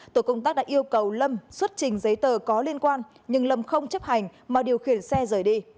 tổ công tác đã yêu cầu lâm xuất trình giấy tờ có liên quan nhưng lâm không chấp hành mà điều khiển xe rời đi